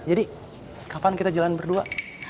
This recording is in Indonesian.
jadi kapan kita jalan berdua